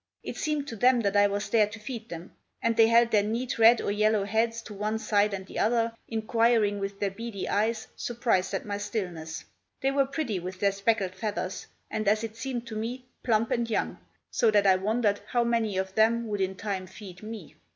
It seemed to them that I was there to feed them; and they held their neat red or yellow heads to one side and the other, inquiring with their beady eyes, surprised at my stillness. They were pretty with their speckled feathers, and as it seemed to me, plump and young, so that I wondered how many of them would in time feed me.